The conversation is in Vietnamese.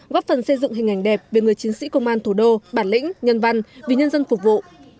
góp phần xây dựng hình ảnh đẹp về người chiến sĩ công an thủ đô bản lĩnh nhân văn vì nhân dân phục vụ